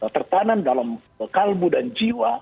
tertanam dalam kalmu dan jiwa